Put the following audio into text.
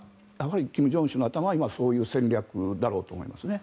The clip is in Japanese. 金正恩氏の頭の中はそういう戦略だろうと思いますね。